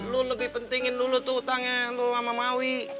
lo lebih pentingin dulu tuh utangnya lo sama mawi